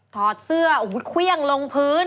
ถอดเสื้ออยู่ครั่วอย่างลงพื้น